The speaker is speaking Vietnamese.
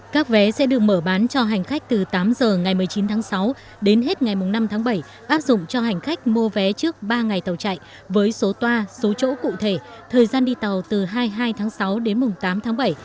các vé sẽ được mở bán cho hành khách từ tám giờ ngày một mươi chín tháng sáu đến hết ngày năm tháng bảy áp dụng cho hành khách mua vé trước ba ngày tàu chạy với số toa số chỗ cụ thể thời gian đi tàu từ hai mươi hai tháng sáu đến tám tháng bảy